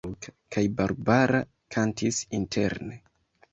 Kaj Barbara kantis interne.